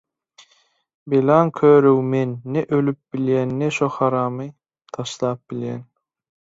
Belaň körügi men, ne ölüp bilýän, ne-de şo haramy taşlap bilýän.